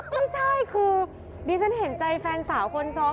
ไม่ใช่คือดิฉันเห็นใจแฟนสาวคนซ้อม